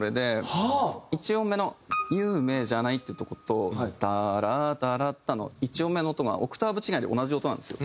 １音目の「夢じゃない」っていうところと「タラータラッタ」の１音目の音がオクターブ違いで同じ音なんですよ。